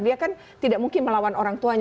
dia kan tidak mungkin melawan orang tuanya